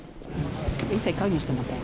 一切関与してません。